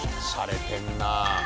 しゃれてんなあ。